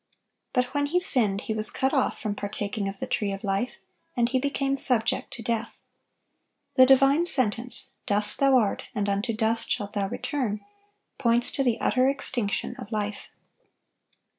But when he sinned, he was cut off from partaking of the tree of life, and he became subject to death. The divine sentence, "Dust thou art, and unto dust shalt thou return," points to the utter extinction of life.